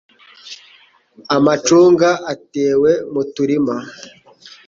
Amacunga atewe mu turima